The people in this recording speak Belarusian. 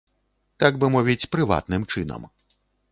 Так бы мовіць, прыватным чынам.